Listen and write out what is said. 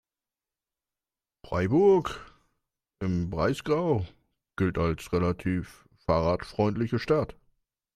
Freiburg im Breisgau gilt als relativ fahrradfreundliche Stadt.